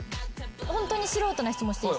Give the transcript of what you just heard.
ホントに素人な質問していいですか？